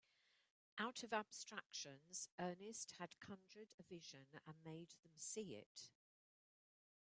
Out of abstractions Ernest had conjured a vision and made them see it.